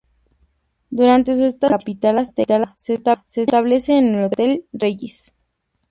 Durante su estancia en la capital azteca se establece en el Hotel Regis.